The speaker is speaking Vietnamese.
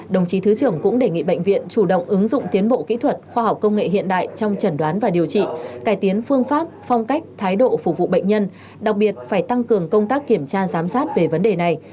đồng chí thứ trưởng cũng đề nghị bệnh viện chủ động ứng dụng tiến bộ kỹ thuật khoa học công nghệ hiện đại trong trần đoán và điều trị cải tiến phương pháp phong cách thái độ phục vụ bệnh nhân đặc biệt phải tăng cường công tác kiểm tra giám sát về vấn đề này